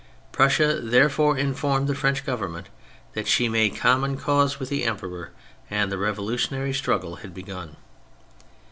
Prussia thereupon informed the French Government that she made common cause with the Emperor, and the revolutionary stiniggle had begun.